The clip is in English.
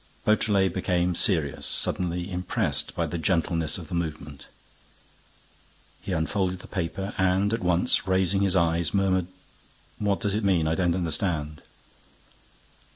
Beautrelet became serious, suddenly, impressed by the gentleness of the movement. He unfolded the paper and, at once, raising his eyes, murmured: "What does it mean? I don't understand."